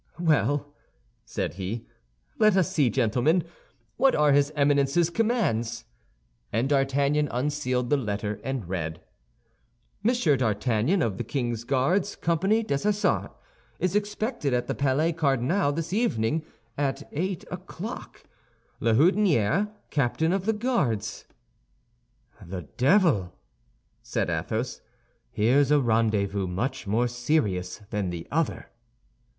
"Well," said he, "let us see, gentlemen, what are his Eminence's commands," and D'Artagnan unsealed the letter and read, "M. d'Artagnan, of the king's Guards, company Dessessart, is expected at the Palais Cardinal this evening, at eight o'clock. "LA HOUDINIERE, Captain of the Guards" "The devil!" said Athos; "here's a rendezvous much more serious than the other."